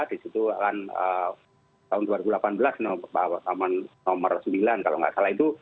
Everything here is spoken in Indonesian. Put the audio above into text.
di situ akan tahun dua ribu delapan belas taman nomor sembilan kalau nggak salah itu